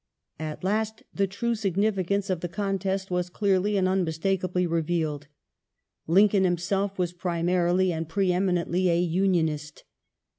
At last the true significance of the contest was clearly and unmistakably re vealed. Lincoln himself was primarily and pre eminently a Union ist.